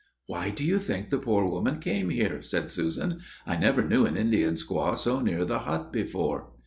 "Why do you think the poor woman came here?" said Susan. "I never knew an Indian squaw so near the hut before?"